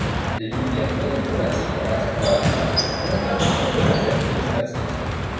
Les lumières monochromatiques dans l'intervalle à n'ont pas de complémentaire monochromatique.